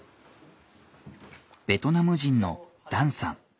ベトナム人のダンさん。